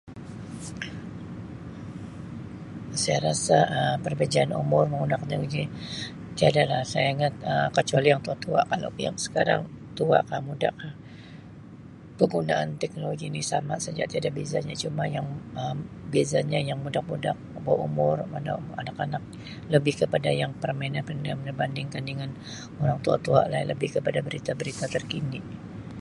Saya rasa Um perbejaan umur menggunakan teknologi tiadalah saya ingat Um kecuali yang tua-tua kalau pihak sekarang tua ka muda kah penggunaan teknologi ni sama saja tiada bezanya cuma yang Um bezanya yang budak-budak bawah umur anak-anak lebih kepada yang perminan-perminan berbandingkan dengan orang tua-tua lah lebih kepada berita-berita terkini.